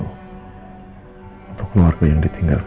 untuk keluarga yang ditinggalkan